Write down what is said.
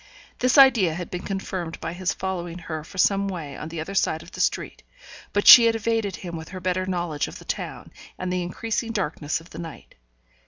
This idea had been confirmed by his following her for some way on the other side of the street; but she had evaded him with her better knowledge of the town, and the increasing darkness of the night.